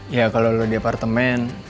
ya kalau lo di apartemen